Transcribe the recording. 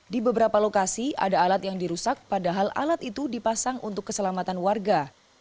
di beberapa lokasi ada alat yang dirusak padahal alat itu dipasang untuk keselamatan warga